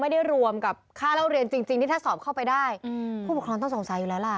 ยิ่งถ้าเรื่องของแพทย์แล้วเรื่องของอุปกรณ์